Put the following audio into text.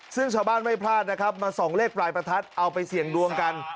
ซึ่งชาวบ้านไม่พลาดนะครับมาส่องเลขปลายประทัดเอาไปเสี่ยงดวงกัน